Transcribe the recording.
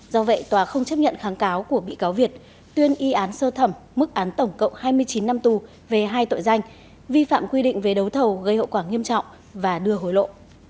do vậy tòa không chấp nhận kháng cáo của bị cáo việt tuyên y án sơ thẩm mức án tổng cộng hai mươi chín năm tù về hai tội danh vi phạm quy định về đấu thầu gây hậu quả nghiêm trọng và đưa hối lộ